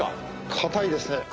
硬いです。